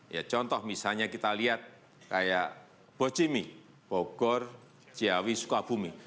ya contoh misalnya kita lihat kayak bojimi bogor ciawi sukabumi